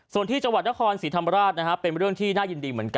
ส่วนที่จังหวัดนครศรีธรรมราชเป็นเรื่องที่น่ายินดีเหมือนกัน